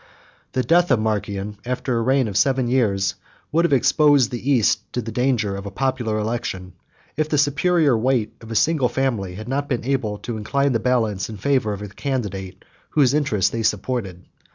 66 The death of Marcian, after a reign of seven years, would have exposed the East to the danger of a popular election; if the superior weight of a single family had not been able to incline the balance in favor of the candidate whose interest they supported.